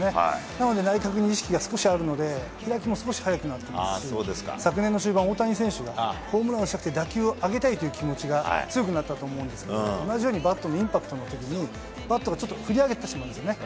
なので内角に意識が少しあるので、開きも少し早くなってますし、昨年の終盤、大谷選手がホームランを打ちたくて、打球を上げたいという気持ちが強くなったと思うんですけど、同じように、バットのインパクトのときに、バットがちょっと振り上げてしまうんですね。